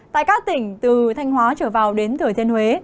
tại các tỉnh từ thanh hóa trở vào đến thừa thiên huế